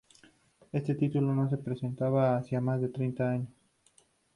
Este título no se presentaba hacía más de treinta años.